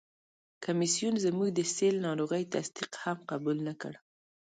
کمیسیون زموږ د سِل ناروغي تصدیق هم قبول نه کړ.